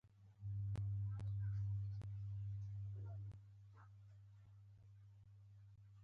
خپل بېل حکم، چي د قرآن کریم د احکامو سره مغایرت ولري، صادرولای سي.